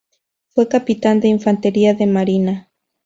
Fue capitán de Infantería de Marina.